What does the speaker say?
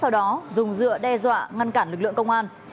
sau đó dùng dựa đe dọa ngăn cản lực lượng công an